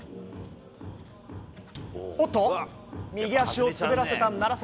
おっと、右足を滑らせた楢崎。